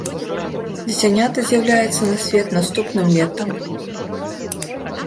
Дзіцяняты з'яўляюцца на свет наступным летам.